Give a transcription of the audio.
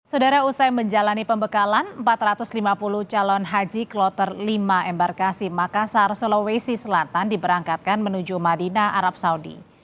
saudara usai menjalani pembekalan empat ratus lima puluh calon haji kloter lima embarkasi makassar sulawesi selatan diberangkatkan menuju madinah arab saudi